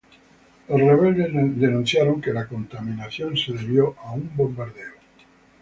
Los rebeldes denunciaron que la contaminación se debió a un bombardeo.